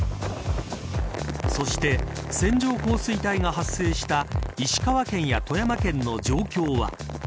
そして、線状降水帯が発生した石川県や富山県の状況は。